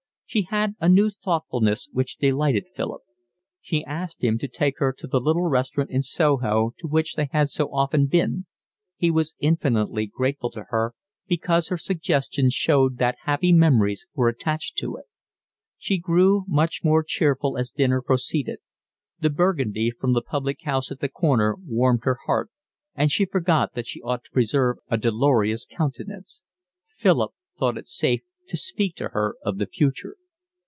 She had a new thoughtfulness which delighted Philip. She asked him to take her to the little restaurant in Soho to which they had so often been; he was infinitely grateful to her, because her suggestion showed that happy memories were attached to it. She grew much more cheerful as dinner proceeded. The Burgundy from the public house at the corner warmed her heart, and she forgot that she ought to preserve a dolorous countenance. Philip thought it safe to speak to her of the future.